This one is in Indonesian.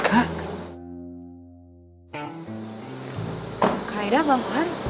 kak aida bang